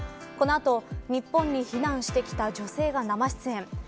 この後、日本に避難してきた女性が生出演。